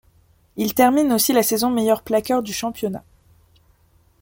Il termine aussi la saison meilleur plaqueur du championnat.